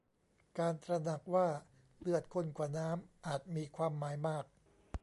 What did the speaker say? การตระหนักว่าเลือดข้นกว่าน้ำอาจมีความหมายมาก